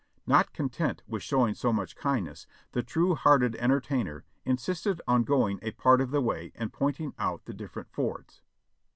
Not content with showing so much kindness, the true hearted entertainer insisted on going a part of the way and pointing out the different fords.